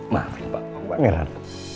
maafin papa pangeran